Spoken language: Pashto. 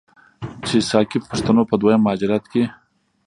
چې ساکي پښتنو په دویم مهاجرت کې،